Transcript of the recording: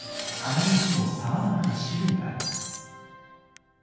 花入にもさまざまな種類があります。